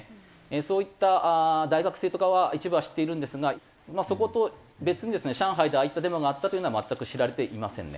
そういった大学生とかは一部は知っているんですがまあそこと別にですね上海でああいったデモがあったというのは全く知られていませんね。